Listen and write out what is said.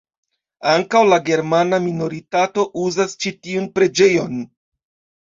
Ankaŭ la germana minoritato uzas ĉi tiun preĝejon.